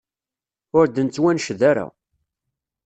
Ur d-nettwanced ara.